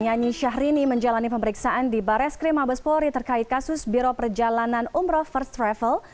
nyanyi syahrini menjalani pemeriksaan di bares krim abespori terkait kasus biro perjalanan umroh first travel